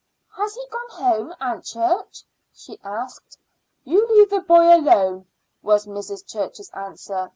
"Has he gone home, Aunt Church," she asked. "You leave the boy alone," was Mrs. Church's answer.